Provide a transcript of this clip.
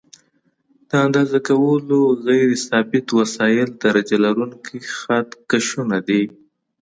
د اندازه کولو غیر ثابت وسایل درجه لرونکي خط کشونه دي.